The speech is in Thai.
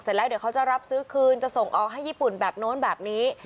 แล้วเดี๋ยวเขาจะรับซื้อคืนจะส่งออกให้ญี่ปุ่นแบบโน้นแบบนี้